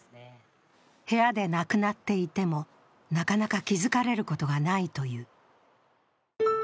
部屋で亡くなっていてもなかなか気付かれることがないという。